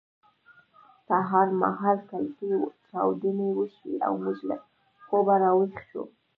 سهار مهال کلکې چاودنې وشوې او موږ له خوبه راویښ شوو